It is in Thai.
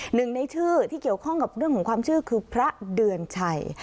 หนึ่งในชื่อที่เกี่ยวข้องกับเรื่องของความเชื่อคือพระเดือนชัย